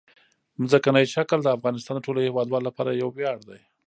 ځمکنی شکل د افغانستان د ټولو هیوادوالو لپاره یو ویاړ دی.